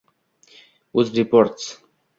uz, Repost